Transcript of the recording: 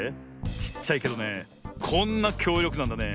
ちっちゃいけどねこんなきょうりょくなんだね。